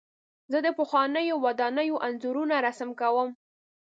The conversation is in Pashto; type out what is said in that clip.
زه د پخوانیو ودانیو انځورونه رسم کوم.